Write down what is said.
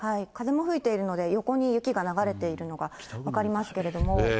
風も吹いているので、雪が横に流れているのが分かりますけれども。